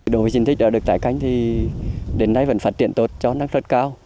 đối với diện tích đã được tái canh thì đến nay vẫn phát triển tốt cho năng thất cao